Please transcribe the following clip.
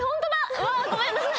うわごめんなさい。